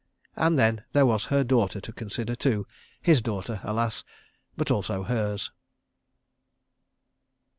... And then there was her daughter to consider, too. His daughter, alas! but also hers.